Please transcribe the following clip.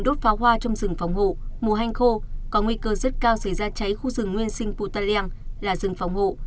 trên đốt pháo hoa trong rừng phóng hộ mùa hanh khô có nguy cơ rất cao xảy ra cháy khu rừng nguyên sinh putaleng là rừng phóng hộ